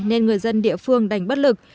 nên người dân địa phương đành bất lực